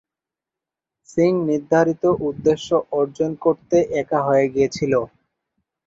সিং নির্ধারিত উদ্দেশ্য অর্জন করতে একা হয়ে গিয়েছিল।